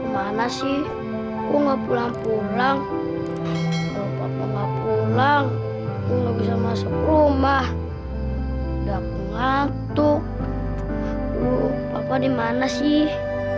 mana sih gua pulang pulang pulang rumah udah ngantuk lu apa di mana sih